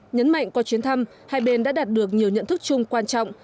nhấn mạnh qua chuyến thăm hai bên đã đạt được nhiều nhận thức chung quan trọng